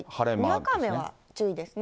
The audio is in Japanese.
にわか雨は注意ですね。